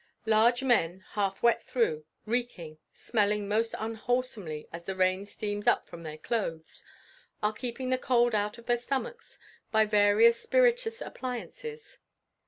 Large men half wet through reeking, smelling most unwholesomely as the rain steams up from their clothes are keeping the cold out of their stomachs by various spirituous appliances.